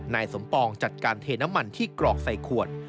นายสมปองจัดการเทน้ำมันที่กรอกใส่ขวด